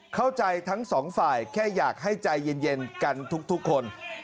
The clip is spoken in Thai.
เข้าใจทั้งสองฝ่ายแค่อยากให้ใจเย็นกันทุกคน